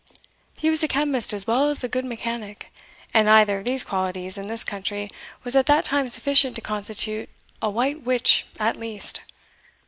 He was a chemist as well as a good mechanic, and either of these qualities in this country was at that time sufficient to constitute a white witch at least.